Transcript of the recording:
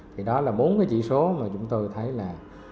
thì đó là bốn cái chỉ số mà chúng tôi thấy là